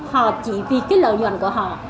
họ chỉ vì cái lợi nhuận của họ